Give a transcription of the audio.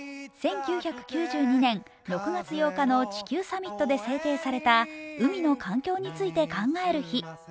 １９９２年６月８日の地球サミットで制定された海の環境について考える日。